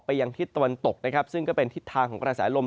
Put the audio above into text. ไปยังทิศตะวันตกซึ่งก็เป็นทิศทางของการสายลม